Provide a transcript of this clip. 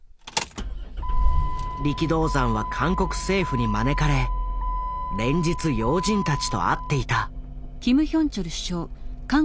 力道山は韓国政府に招かれ連日要人たちと会っていた。